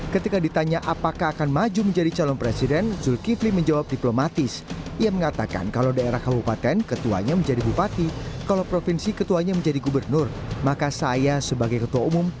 ketua umum partai berlambang matahari tersebut